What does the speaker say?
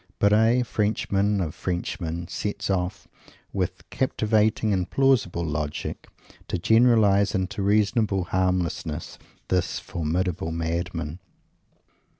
Barres Frenchman of Frenchmen sets off, with captivating and plausible logic, to generalize into reasonable harmlessness this formidable madman.